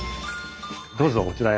どうぞこちらへ。